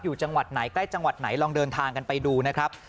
จังหวัดไหนใกล้จังหวัดไหนลองเดินทางกันไปดูนะครับ